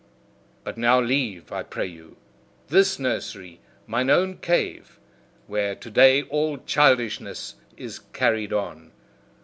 But now leave, I pray you, THIS nursery, mine own cave, where to day all childishness is carried on.